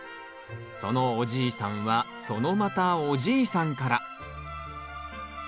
そのおじいさんはそのまたおじいさんから。